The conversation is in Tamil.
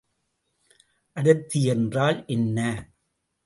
அடர்த்தி என்றால் என்ன?